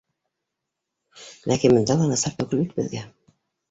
Ләкин бында ла насар түгел бит беҙгә